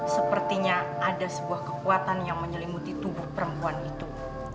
sepertinya ada sebuah kekuatan yang menyelimuti tubuh perempuan itu